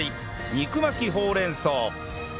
肉巻きほうれん草